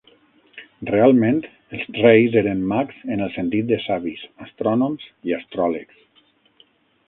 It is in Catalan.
Realment, els Reis eren 'mags' en el sentit de savis, astrònoms i astròlegs.